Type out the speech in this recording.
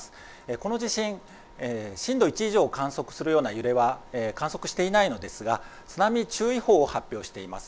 この地震で震度１以上を観測するような揺れは観測していないのですが津波注意報を発表しています。